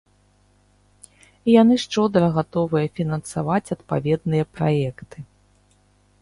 І яны шчодра гатовыя фінансаваць адпаведныя праекты.